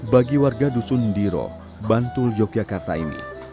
bagi warga dusun diro bantul yogyakarta ini